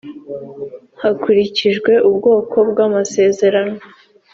hakurikijwe ubwoko bw amasezerano